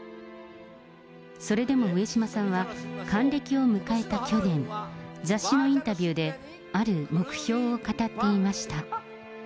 それでも上島さんは、還暦を迎えた去年、雑誌のインタビューで、ある目標を語っていました。